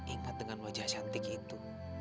ingat dengan wajah cantik itu